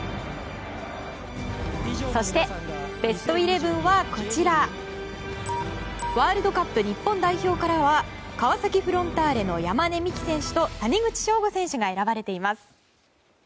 そして、ベストイレブンはこちらワールドカップ日本代表からは川崎フロンターレの山根視来選手と谷口彰悟選手が選ばれています。